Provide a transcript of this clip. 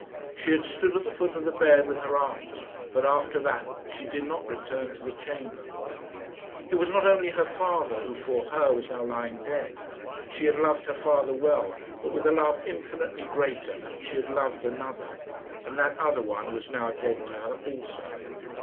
She had stood at the foot of the bed with her aunt, but after that she did not return to the chamber. It was not only her father who, for her, was now lying dead. She had loved her father well, but with a love infinitely greater she had loved another; and that other one was now dead to her also.